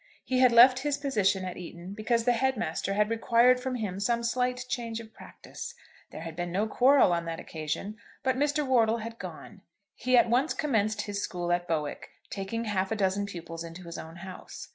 He had left his position at Eton because the Head master had required from him some slight change of practice. There had been no quarrel on that occasion, but Mr. Wortle had gone. He at once commenced his school at Bowick, taking half a dozen pupils into his own house.